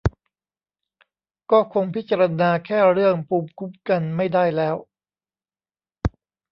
ก็คงพิจารณาแค่เรื่องภูมิคุ้มกันไม่ได้แล้ว